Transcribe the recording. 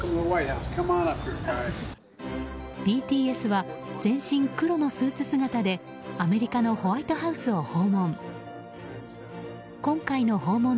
ＢＴＳは全身黒のスーツ姿でアメリカのホワイトハウスを訪問。